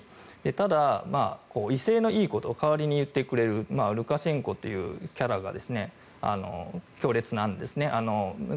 ただ、威勢のいいことを代わりに言ってくれるルカシェンコというキャラが強烈なんですね。